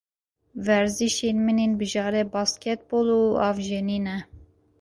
Werzişên min ên bijare basketbol û avjenî ne.